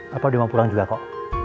papa udah mau pulang juga kok